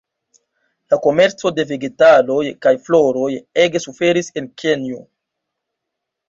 La komerco de Vegetaloj kaj floroj ege suferis en Kenjo.